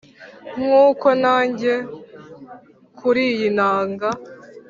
nk’uko na njye kuri iyi nanga